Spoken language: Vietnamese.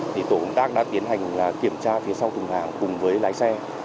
thì tổ công tác đã tiến hành kiểm tra phía sau thùng hàng cùng với lái xe